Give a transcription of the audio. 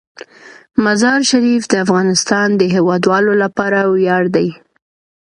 مزارشریف د افغانستان د هیوادوالو لپاره ویاړ دی.